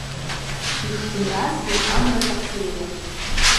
Ишӡынразгьы, амра кацеиуан.